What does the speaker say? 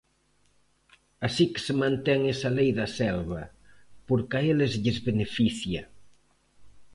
Así que se mantén esa lei da selva, porque a eles lles beneficia.